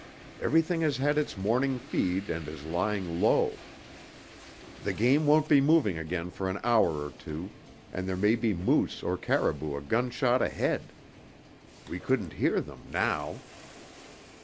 Everything has had its morning feed and is lying low. The game won't be moving again for an hour or two, and there may be moose or caribou a gunshot ahead. We couldn't hear them now!"